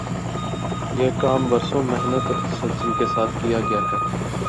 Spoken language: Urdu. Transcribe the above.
یہ کام برسوں محنت اور تسلسل کے ساتھ کیا گیا ہے۔